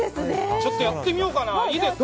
ちょっとやってみようかな。